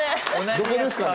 どこですかね？